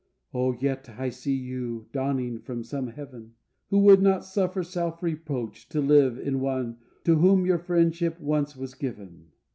O yet I see you dawning from some heaven, Who would not suffer self reproach to live In one to whom your friendship once was given.